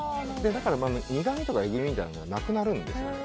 だから、苦みとかえぐみとかがなくなるんですよね。